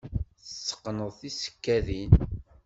Tetteqqneḍ tisekkadin?